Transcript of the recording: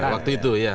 waktu itu ya